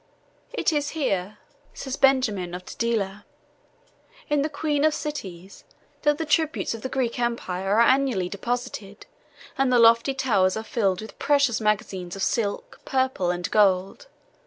"It is here," says Benjamin of Tudela, "in the queen of cities, that the tributes of the Greek empire are annually deposited and the lofty towers are filled with precious magazines of silk, purple, and gold.